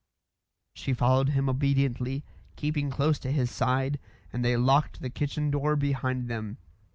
She followed him obediently, keeping close to his side, and they locked the kitchen door behind them.